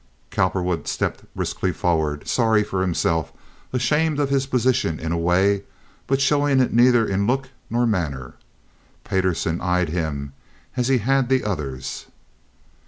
Cowperwood stepped briskly forward, sorry for himself, ashamed of his position in a way, but showing it neither in look nor manner. Payderson eyed him as he had the others.